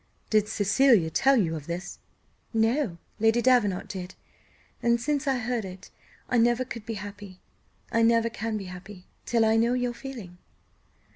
"Did Cecilia tell you of this?" "No, Lady Davenant did; and since I heard it I never could be happy I never can be happy till I know your feeling."